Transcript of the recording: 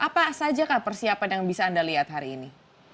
apa saja persiapan yang bisa anda lihat hari ini